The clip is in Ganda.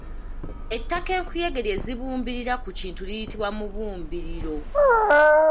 Ettaka enkuyege lye zibumbirira ku kintu liyitibwa mubumbiriro.